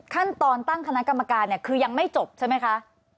ขั้นตอนตั้งคณะกรรมการเนี่ยคือยังไม่จบใช่ไหมคะ